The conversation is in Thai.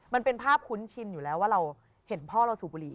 มันเป็นภาพคุ้นชินอยู่แล้วว่าเราเห็นพ่อเราสูบบุหรี่